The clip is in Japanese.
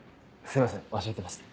すいません忘れてました。